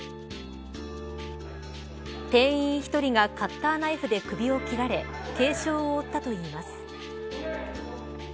店員１人がカッターナイフで首を切られ軽傷を負ったといいます。